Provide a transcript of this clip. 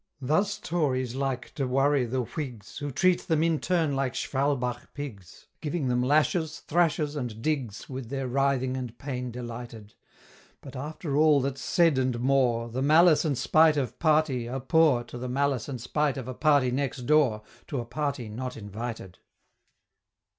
Thus Tories like to worry the Whigs, Who treat them in turn like Schwalbach pigs, Giving them lashes, thrashes, and digs, With their writhing and pain delighted But after all that's said, and more, The malice and spite of Party are poor To the malice and spite of a party next door, To a party not invited.